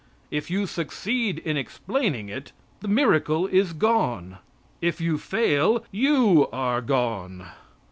If you succeed in explaining it, the miracle is gone. If you fail you are gone.